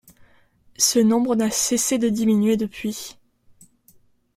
Ce nombre n'a cessé de diminuer depuis.